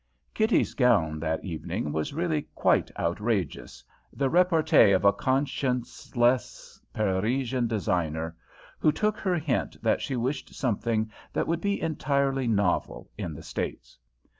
Kitty's gown that evening was really quite outrageous the repartée of a conscienceless Parisian designer who took her hint that she wished something that would be entirely novel in the States.